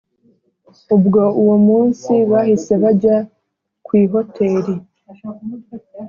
ubwo uwo munsi bahise bajya ku ihoteli